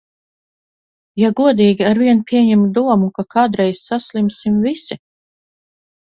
Ja godīgi, arvien pieņemu domu, ka kādreiz saslimsim visi.